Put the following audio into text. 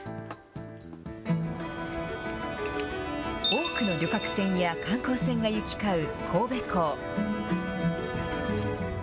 多くの旅客船や観光船が行き交う神戸港。